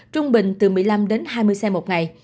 trung bình từ một mươi năm đến hai mươi xe một ngày